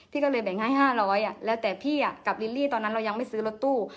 พี่ก็เลยแบ่งให้๕๐๐แล้วแต่พี่กับลิลลี่ตอนนั้นเรายังไม่ซื้อรถตู้